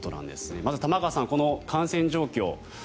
まず玉川さん、この感染状況